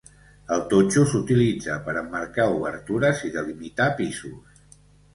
El totxo s'utilitza per emmarcar obertures i delimitar pisos.